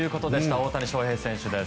大谷翔平選手です。